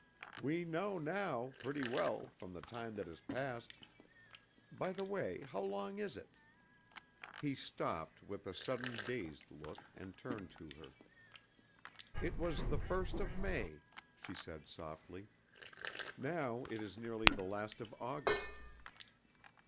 We know now, pretty well, from the time that has passed, by the way, how long is it?" He stopped with a sudden dazed look, and turned to her. "It was the first of May," she said softly. "Now it is nearly the last of August."